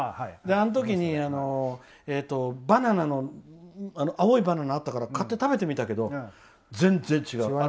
あのとき青いバナナがあったから買って食べてみたけど全然違う。